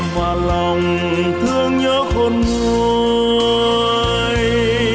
và lòng thương nhớ khôn môi